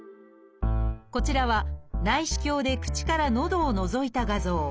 こちらは内視鏡で口からのどをのぞいた画像。